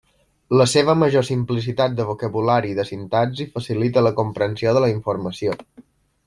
La seva major simplicitat de vocabulari i de sintaxi facilita la comprensió de la informació.